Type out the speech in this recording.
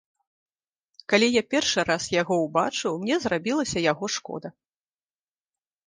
Калі я першы раз яго ўбачыў, мне зрабілася яго шкода.